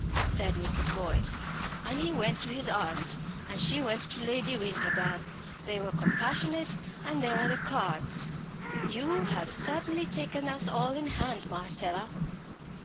said Mrs. Boyce. "And he went to his aunt and she went to Lady Winterbourne they were compassionate and there are the cards. You have certainly taken us all in hand, Marcella!"